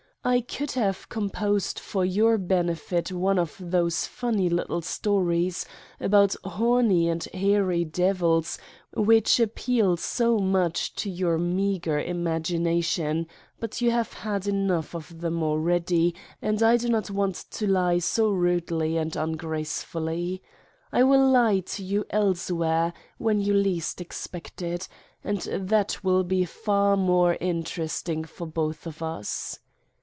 I could have composed for your benefit one of those funny little stories about horny and hairy devils, which appeal so much to your meagre imagination, but you have had enough of them already and I do not want to lie so rudely and ungracefully. I will lie to you else where, when you least expect it, and that will be far more interesting for both of us.